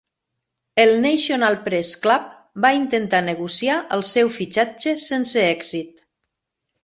El National Press Club va intentar negociar el seu fitxatge sense èxit.